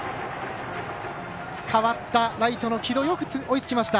代わったライトの城戸よく追いつきました。